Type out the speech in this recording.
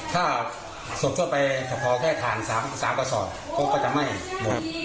ถ้าส่วนทั่วไปพ่อแค่ถ่าน๓กระสอบก็จะไม่หมด